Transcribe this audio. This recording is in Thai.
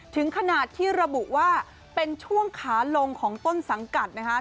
ถึงขนาดที่ระบุว่าเป็นช่วงขาลงของต้นสังกัดนะคะ